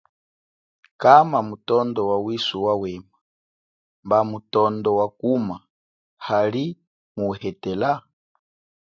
Kama mutondo wa wisu wa wema, mba mutondo wakuma hali mu wuhetela?